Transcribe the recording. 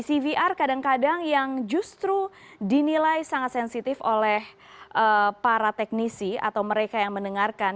cvr kadang kadang yang justru dinilai sangat sensitif oleh para teknisi atau mereka yang mendengarkan